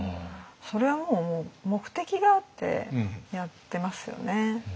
それはもう目的があってやってますよね。